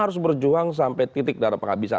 harus berjuang sampai titik darah penghabisan